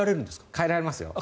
変えられますよ。